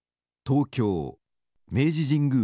東京明治神宮